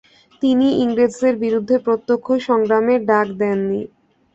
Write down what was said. তিনি ইংরেজদের বিরুদ্ধে প্রত্যক্ষ সংগ্রামের ডাক দেন নি।